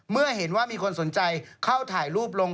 เมื่อเห็นว่ามีคนสนใจเข้าถ่ายรูปลง